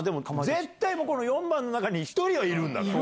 絶対この４番の中に１人はいるんだから。